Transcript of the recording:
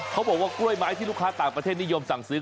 เขาบอกว่ากล้วยไม้ที่ลูกค้าต่างประเทศนิยมสั่งซื้อ